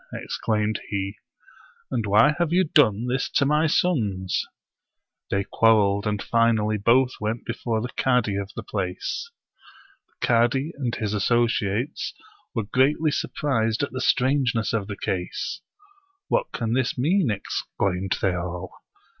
" exclaimed he ;" and why have you done this to my sons?" They quarreled, and finally both went before the cadi of the place. The cadi and his associates were greatly surprised at the strangeness of the case. "What can this mean?" exclaimed they all.